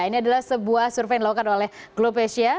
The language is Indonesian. ini adalah sebuah survei yang dilakukan oleh glopecia